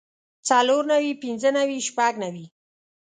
څلور نوي پنځۀ نوي شپږ نوي